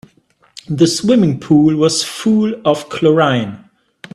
The swimming pool was full of chlorine.